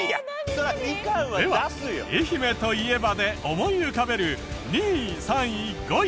では愛媛といえばで思い浮かべる２位３位５位。